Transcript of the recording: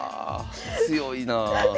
強いな。